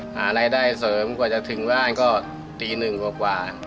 หารายได้เสริมกว่าจะถึงบ้านก็ตีหนึ่งกว่า